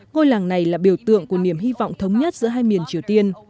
ngôi làng này là biểu tượng của niềm hy vọng thống nhất giữa hai miền triều tiên